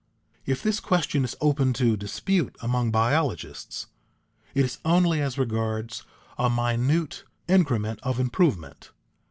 If this question is open to dispute among biologists, it is only as regards a minute increment of improvement.